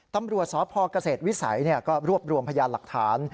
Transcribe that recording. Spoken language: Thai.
ตำรวจสพเกษตรวิสัยก็รวบรวมพยานหลักฐาน